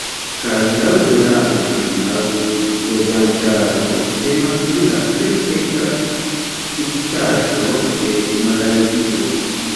Kaj laŭ areo kaj laŭ loĝantaro temas pri la plej eta subŝtato de Malajzio.